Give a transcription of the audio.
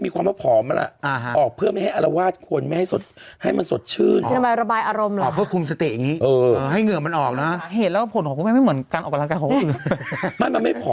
ก็พยายามออกพยายามหาเวลาไปออกเหมือนกันค่ะ